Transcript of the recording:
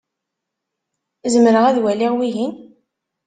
Zemreɣ ad waliɣ wihin?